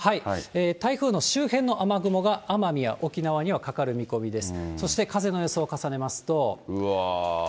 台風の周辺の雨雲が奄美や沖縄にはかかる見込みです。